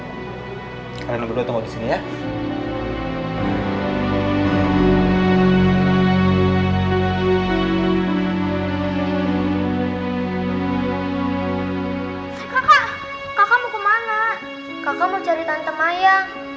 kalian berdua tunggu disini ya